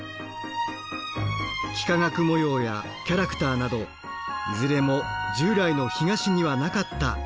幾何学模様やキャラクターなどいずれも従来の干菓子にはなかった斬新なデザインです。